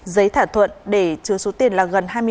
giấy thả thuận để chứa số tiền là gần